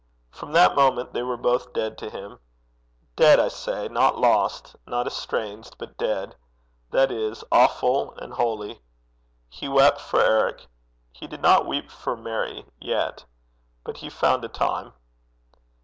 From that moment they were both dead to him. Dead, I say not lost, not estranged, but dead that is, awful and holy. He wept for Eric. He did not weep for Mary yet. But he found a time.